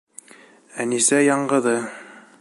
Әнисә яңғыҙы.